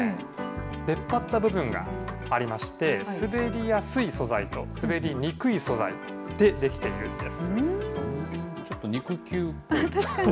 出っ張った部分がありまして、滑りやすい素材と、滑りにくい素材で出来ているんです。